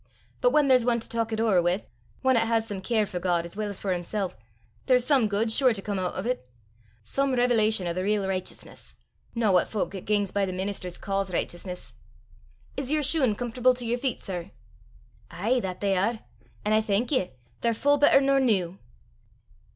But whan there's ane to talk it ower wi', ane 'at has some care for God as weel 's for himsel', there's some guid sure to come oot o' 't some revelation o' the real richteousness no what fowk 'at gangs by the ministers ca's richteousness. Is yer shune comfortable to yer feet, sir?" "Ay, that they are! an' I thank ye: they're full better nor new."